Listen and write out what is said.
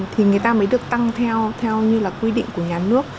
thì người ta mới được tăng theo như là quy định của nhà nước